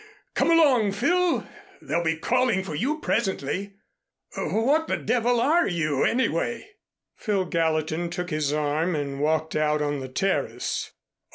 Come along, Phil. They'll be calling for you presently. What the devil are you anyway?" Phil Gallatin took his arm and walked out on the terrace.